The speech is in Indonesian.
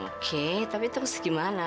oke tapi terus gimana